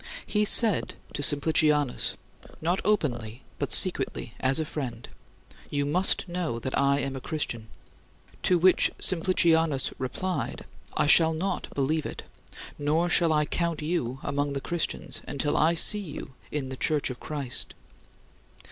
He said to Simplicianus not openly but secretly as a friend "You must know that I am a Christian." To which Simplicianus replied, "I shall not believe it, nor shall I count you among the Christians, until I see you in the Church of Christ."